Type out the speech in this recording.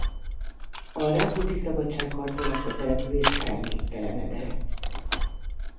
A Rákóczi-szabadságharc alatt a település elnéptelenedett.